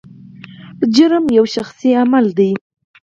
جرم یو شخصي عمل دی.